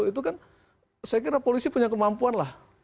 itu kan saya kira polisi punya kemampuan lah